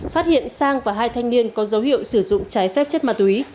phát hiện sang và hai thanh niên có dấu hiệu sử dụng trái phép chất ma túy